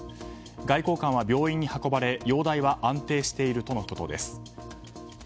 外交官は病院に運ばれ容体は安定しているとのことです。